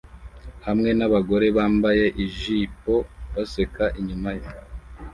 hamwe nabagore bambaye ijipo baseka inyuma ye